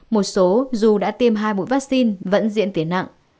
một số dù đã tiêm hai bụi vaccine vẫn diễn tiến nặng